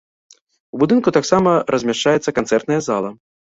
У будынку таксама размяшчаецца канцэртная зала.